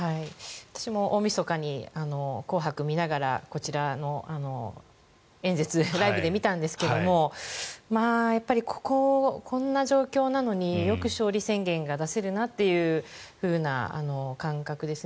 私も大みそかに「紅白」を見ながらこちらの演説をライブで見たんですがこんな状況なのによく勝利宣言が出せるというふうな感覚ですね。